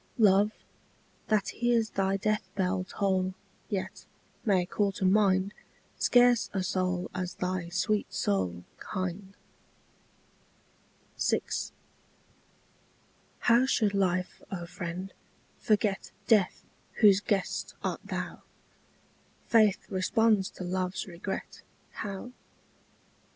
Love, that hears thy death bell toll Yet, may call to mind Scarce a soul as thy sweet soul Kind. VI. How should life, O friend, forget Death, whose guest art thou? Faith responds to love's regret, How?